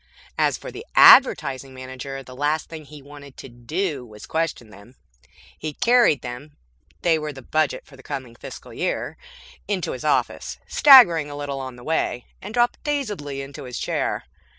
As for the Advertising Manager, the last thing he wanted to do was question them. He carried them (they were the budget for the coming fiscal year) into his office, staggering a little on the way, and dropped dazedly into his chair.